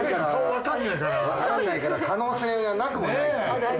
わかんないから可能性はなくもないっていう。